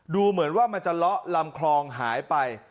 ดูเหมือนว่ามันจะเลาะลำคลองหายไป